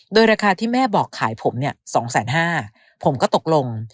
โดยราคาที่แม่บอกขายผมเนี่ย๒๕๐๐บาทผมก็ตกลง